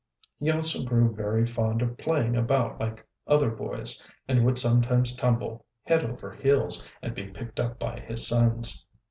He also grew very fond of playing about like other boys, and would sometimes tumble head over heels, and be picked up by his sons.